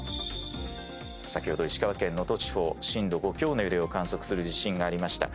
「先ほど石川県能登地方震度５強の揺れを観測する地震がありました。